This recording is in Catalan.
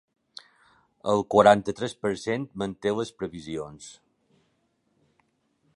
El quaranta-tres per cent manté les previsions.